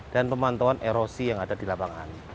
dan pemantauan erosi yang ada di lapangan